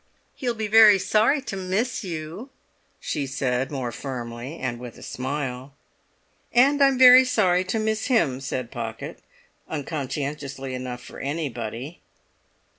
"He'll be very sorry to miss you," she said more firmly, and with a smile. "And I'm very sorry to miss him," said Pocket, unconscientiously enough for anybody.